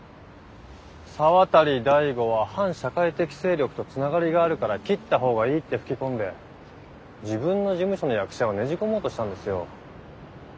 沢渡大吾は反社会的勢力とつながりがあるから切った方がいいって吹き込んで自分の事務所の役者をねじ込もうとしたんですよ。